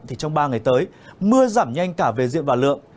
thì trong ba ngày tới mưa giảm nhanh cả về diện và lượng